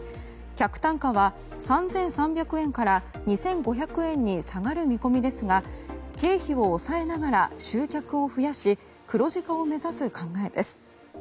客単価は３３００円から２５００円に下がる見込みですが経費を抑えながら集客を増やし黒字化を目指す考えです。